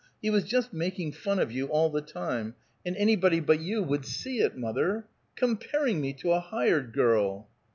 He was just making fun of you all the time, and anybody but you would see it, mother! Comparing me to a hired girl!"